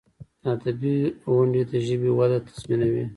ادبي غونډي د ژبي وده تضمینوي.